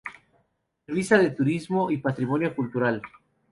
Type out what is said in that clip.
Revista de Turismo y Patrimonio Cultural